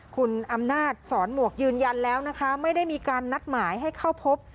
คุณอำนาจสอนหมวกยืนยันแล้วนะคะไม่ได้มีการนัดหมายให้เข้าพบ